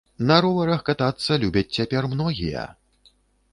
На роварах катацца любяць цяпер многія!